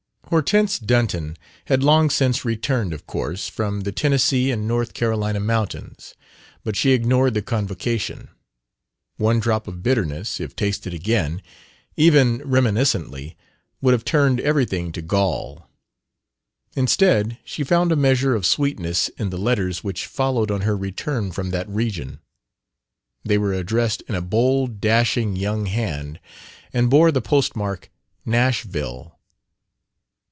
Hortense Dunton had long since returned, of course, from the Tennessee and North Carolina mountains; but she ignored the convocation. One drop of bitterness, if tasted again even reminiscently would have turned everything to gall. Instead, she found a measure of sweetness in the letters which followed on her return from that region. They were addressed in a bold, dashing young hand, and bore the postmark "Nashville."